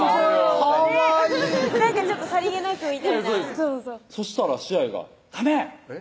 かわいいちょっとさりげなくみたいなそしたら詩愛が「ダメ！」